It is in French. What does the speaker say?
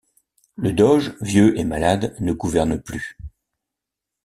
Le doge, vieux et malade, ne gouverne plus.